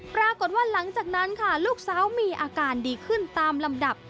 หลังจากนั้นค่ะลูกสาวมีอาการดีขึ้นตามลำดับ